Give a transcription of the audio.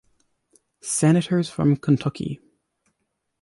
Senators from Kentucky.